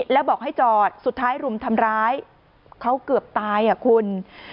แล้วบอกให้จอดสุดท้ายรุมทำร้ายเขาเกือบตายอ่ะคุณ